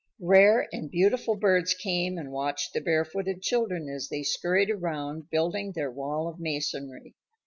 Rare and beautiful birds came and watched the barefooted children as they scurried around, building their wall of masonry.